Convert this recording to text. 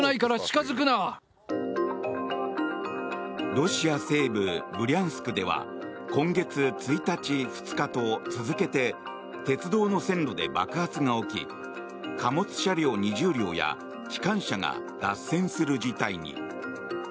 ロシア西部ブリャンスクでは今月１日、２日と続けて鉄道の線路で爆発が起き貨物車両２０両や機関車が脱線する事態に。